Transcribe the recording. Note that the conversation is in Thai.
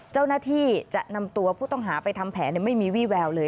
เจ้าหน้าที่จะนำตัวผู้ต้องหาไปทำแผนไม่มีวี่แววเลย